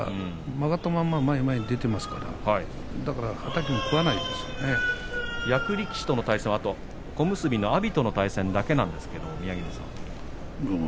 曲がったまま前に前に出ていますから、だから役力士との対戦はあとは小結の阿炎との対戦だけなんですが。